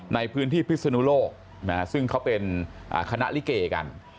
ในพื้นที่พิศนุโลกซึ่งเขาเป็นคณะลิเกกัน